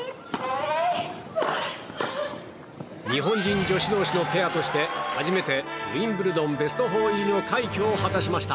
日本人女子同士のペアとして初めてウィンブルドンベスト４入りの快挙を果たしました。